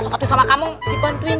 sok atu sama kamu dibantuin